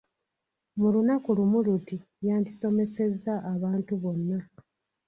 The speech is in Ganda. Mu lunaku lumu luti yandisomesezza abantu bonna.